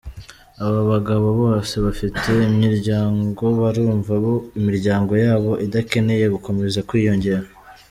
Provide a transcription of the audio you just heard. Abo bagabo bose bafite imiryango, barumva ko imiryango yabo idakeneye gukomeza kwiyongera.